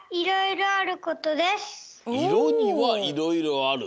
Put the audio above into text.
「いろにはいろいろある」。